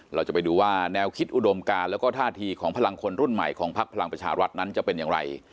เราจะไปดูว่าแนวคิดอุดมการแล้วก็ท่าทีของพลังคนรุ่นใหม่ของพักพลังประชารัฐนั้นจะเป็นอย่างไร